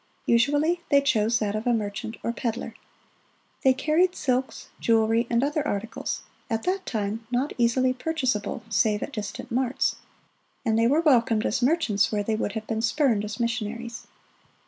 Usually they chose that of merchant or peddler. "They carried silks, jewelry, and other articles, at that time not easily purchasable save at distant marts; and they were welcomed as merchants where they would have been spurned as missionaries."